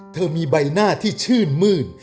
เธอมีใบหน้าที่ชื่นมื้น